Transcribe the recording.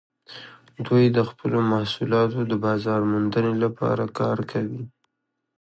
دوی د خپلو محصولاتو د بازارموندنې لپاره کار کوي